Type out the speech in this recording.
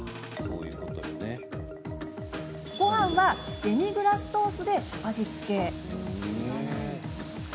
ごはんはデミグラスソースで味付け。